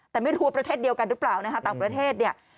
แต่ไม่รู้ว่าประเทศเดียวกันหรือเปล่านะคะต่างประเทศเนี่ย